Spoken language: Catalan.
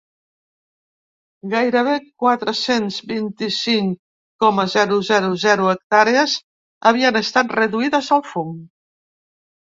Gairebé quatre-cents vint-i-cinc coma zero zero zero hectàrees havien estat reduïdes al fum.